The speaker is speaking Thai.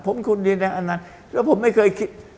ผมคือในอันนั้นและผมไม่เคยคิด